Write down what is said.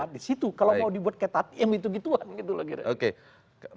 di situ kalau mau dibuat ketat yang gitu gituan gitu loh kira kira